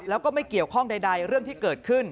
แล้วก็ไม่เกี่ยวข้องใดเรื่องที่เกิดขึ้น